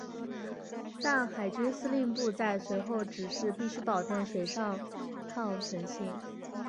但海军司令部在随后指示必须保证水上抗沉性。